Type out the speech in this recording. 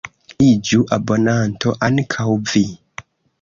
Iĝu abonanto ankaŭ vi!